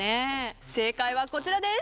正解はこちらです。